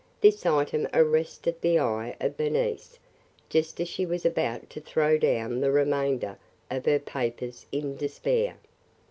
This item arrested the eye of Bernice, just as she was about to throw down the remainder of her papers in despair.